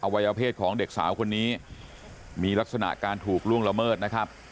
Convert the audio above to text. วัยวเพศของเด็กสาวคนนี้มีลักษณะการถูกล่วงละเมิดนะครับ